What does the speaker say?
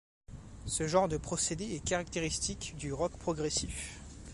Ce genre de procédé est caractéristique du rock progressif.